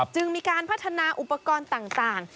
จึงมีการพัฒนาอุปกรณ์ต่าง